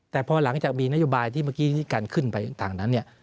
แต่พอหลังจากมีนโยบายที่เมื่อกี้กันขึ้นไปต่างนั้น